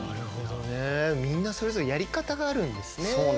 みんなそれぞれやり方があるんですね。